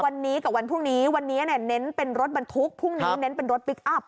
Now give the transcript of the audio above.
วันนี้กับวันพรุ่งนี้วันนี้เนี่ยเน้นเป็นรถบรรทุกพรุ่งนี้เน้นเป็นรถพลิกอัพ